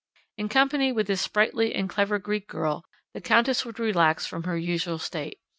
In company with this sprightly and clever Greek girl, the Countess would relax from her usual state.